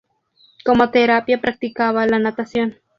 Como terapia practicaba la natación.